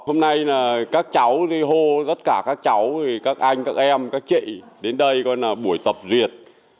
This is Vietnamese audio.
hôm nay các cháu đi hô tất cả các cháu các anh các em các chị đến đây buổi tập duyệt